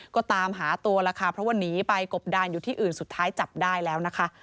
ก็ตามหาตัวแล้วค่ะเพราะว่าหนีไปกบดานอยู่ที่อื่นสุดท้ายจับได้แล้วนะคะ